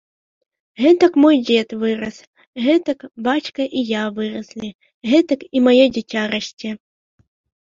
Гэтак мой дзед вырас, гэтак бацька і я выраслі, гэтак і маё дзіця расце.